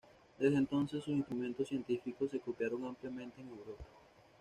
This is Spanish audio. Desde entonces sus instrumentos científicos se copiaron ampliamente en Europa.